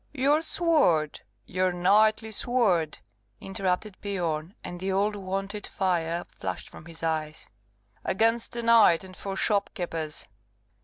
"Your sword! your knightly sword!" interrupted Biorn; and the old wonted fire flashed from his eyes. "Against a knight, and for shopkeepers!"